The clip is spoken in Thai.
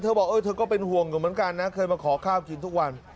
บอกเธอก็เป็นห่วงอยู่เหมือนกันนะเคยมาขอข้าวกินทุกวัน